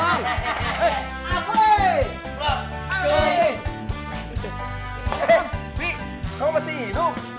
fi kamu masih hidup